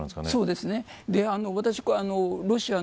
そうですね。